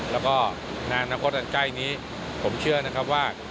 แล้วก็ในอนาคตอันใกล้นี้ผมเชื่อนะครับว่า